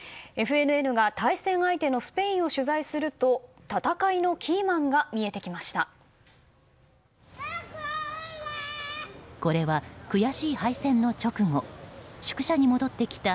ＦＮＮが対戦相手のスペインを取材すると戦いのキーマンが見えてきました。